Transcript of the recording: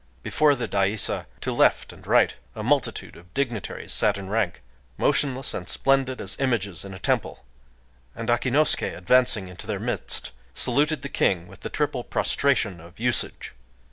Before the daiza, to left and right, a multitude of dignitaries sat in rank, motionless and splendid as images in a temple; and Akinosuké, advancing into their midst, saluted the king with the triple prostration of usage.